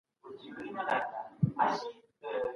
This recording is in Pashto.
د ميرويس خان نيکه حکومتداري پر کومو اصولو ولاړه وه؟